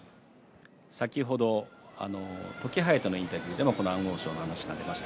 先ほど時疾風のインタビューでもこの安大翔の話が出ました。